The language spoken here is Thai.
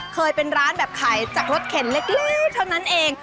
เคยเป็นร้านแบบขายจากรถเข็นเล็กเท่านั้นเอง